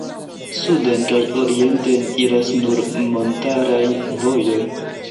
Suden kaj orienten iras nur montaraj vojoj.